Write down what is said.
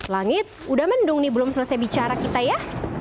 langit udah mendung nih belum selesai bicara kita ya